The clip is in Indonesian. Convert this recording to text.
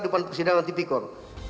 depan persidangan tipikor